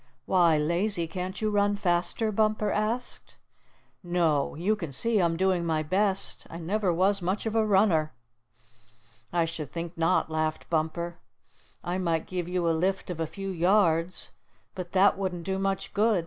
"Why, Lazy, can't you run faster?" Bumper asked. "No, you can see I'm doing my best. I never was much of a runner." "I should think not," laughed Bumper. "I might give you a lift of a few yards, but that wouldn't do much good.